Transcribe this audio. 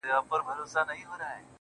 • غواړم د پېړۍ لپاره مست جام د نشیې .